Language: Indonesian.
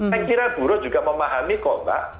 saya kira buruh juga memahami kompak